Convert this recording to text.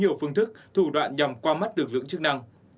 nhiều phương thức thủ đoạn nhằm qua mắt được lưỡng chức năng